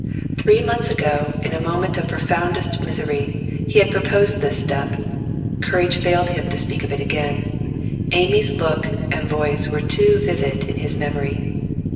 Three months ago, in a moment of profoundest misery, he had proposed this step; courage failed him to speak of it again, Amy's look and voice were too vivid in his memory.